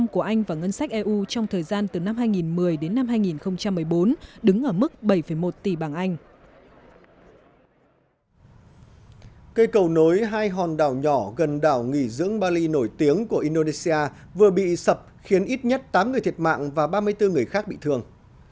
cây cầu nối hai hòn đảo nhỏ gần đảo nghỉ dưỡng bali nổi tiếng của indonesia vừa bị sập khiến ít nhất tám người thiệt mạng và ba mươi bốn người khác bị thương